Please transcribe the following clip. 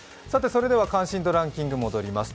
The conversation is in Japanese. それでは関心度ランキングに戻ります。